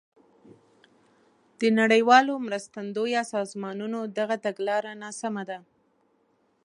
د نړیوالو مرستندویو سازمانونو دغه تګلاره ناسمه ده.